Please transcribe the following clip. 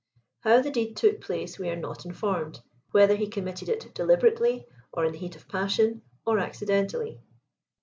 How the deed took place we are not informed, whether he committed it deliberately, or in the heat of passion, or ac cidentally.